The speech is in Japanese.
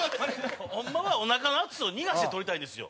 ホンマはおなかの圧を逃がして取りたいんですよ。